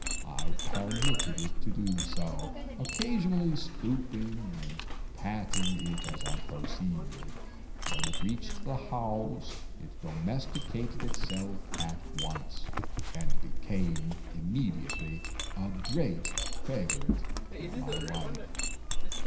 I permitted it to do so; occasionally stooping and patting it as I proceeded. When it reached the house it domesticated itself at once, and became immediately a great favorite with my wife.